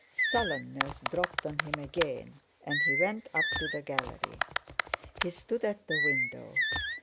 Sullenness dropped on him again, and he went up to the gallery. He stood at the window.